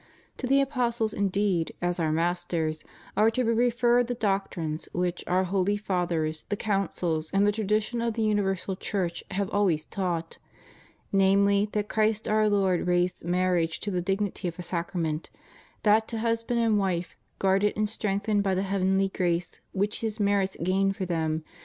To the apostles, indeed, as our masters, are to be referred the doctrines which our holy Fathers, the Councils, and the Tradition of the Universal Church have always taught,^ namely, that Christ our Lord raised marriage to the dignity of a sacrament; that to husband and wife, guarded and strengthened by the heavenly grace which His merits gained for them.